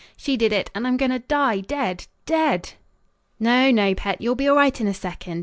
She did it, and I'm going to die dead dead! "No, no, pet; you'll be all right in a second.